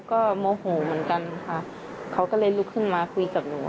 ก็โมโหเหมือนกันค่ะเขาก็เลยลุกขึ้นมาคุยกับหนู